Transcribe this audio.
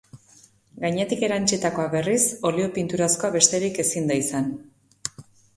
Gainetik erantsitakoa, berriz, olio-pinturazkoa besterik ezin da izan.